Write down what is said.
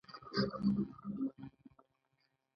د حقوقي شخصیتونو د محرومیت پالیسي ګانې.